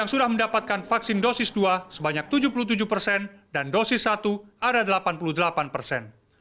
yang sudah mendapatkan vaksin dosis dua sebanyak tujuh puluh tujuh persen dan dosis satu ada delapan puluh delapan persen